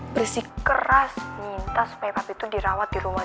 berisi keras minta supaya papi tuh dirawat di rumah dia